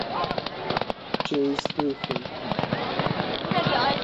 Chase Griffin